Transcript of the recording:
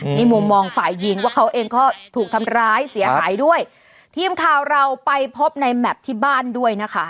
นี่มุมมองฝ่ายยิงว่าเขาเองก็ถูกทำร้ายเสียหายด้วยทีมข่าวเราไปพบในแมพที่บ้านด้วยนะคะ